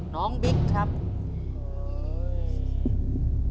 น้องบิ๊กครับ